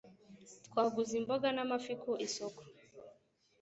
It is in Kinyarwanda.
Twaguze imboga n'amafi ku isoko.